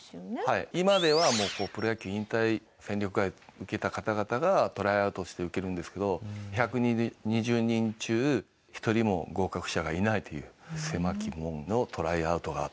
今ではプロ野球を引退戦力外を受けた方々がトライアウトをして受けるんですけど１２０人中１人も合格者がいないという狭き門のトライアウトがあったという。